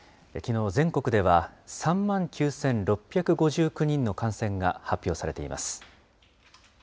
きのう、全国では３万９６５９人の感染が発表されています。